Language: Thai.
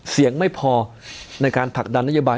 เสี่ยงไม่พอในการผลักดันนัฐบาล